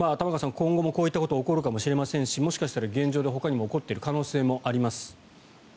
今後もこういったことが起こるかもしれませんしもしかしたら現状でほかにも起こっている可能性もあります。